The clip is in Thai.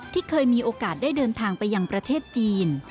ที่เคยมีโอกาสได้เดินทางไปยังประเทศจีน